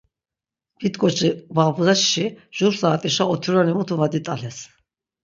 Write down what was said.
Vit k̆oçi gvabğesşi jur saatişa otironi mutu va dit̆ales.